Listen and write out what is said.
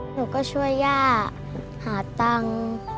หนูก็ช่วยย่าหาตังค์